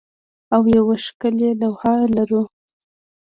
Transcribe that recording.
او یوه ښکلې لوحه لرو